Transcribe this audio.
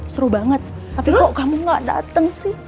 seru banget tapi kok kamu enggak dateng sih